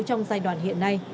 trong giai đoạn hiện nay